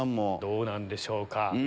どうなんでしょうか？